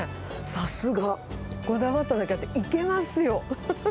さすが、こだわっただけあって、いけますよ。